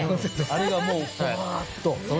あれがもうバっと。